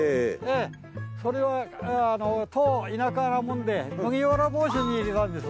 それは田舎なもんで麦わら帽子に入れたんです。